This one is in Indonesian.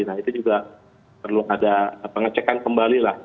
nah itu juga perlu ada pengecekan kembali lah